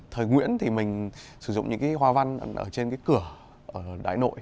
thì mình sử dụng những cái hoa văn ở trên cái cửa ở đáy nội